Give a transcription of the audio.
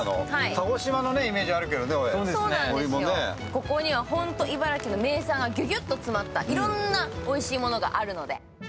ここには本当、茨城の名産がギュギュッと詰まったいろんなおいしいものがあるので。